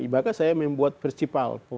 bahkan saya membuat percipal